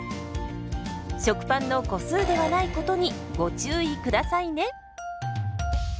食パンの個数ではないことにご注意下さいね。